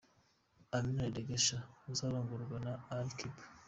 Amina Rikesha uzarongorwa na Ali Kiba .